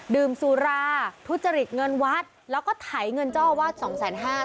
ดื่มสุราทุจริตเงินวัดแล้วก็ไถเงินเจ้าอาวาสสองแสนห้า